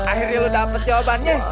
akhirnya lu dapet jawabannya